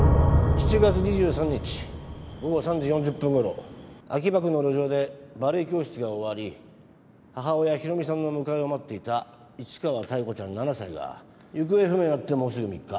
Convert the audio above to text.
７月２３日午後３時４０分頃秋葉区の路上でバレエ教室が終わり母親浩美さんの迎えを待っていた市川妙子ちゃん７歳が行方不明になってもうすぐ３日。